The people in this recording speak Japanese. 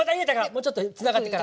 もうちょっとつながってから。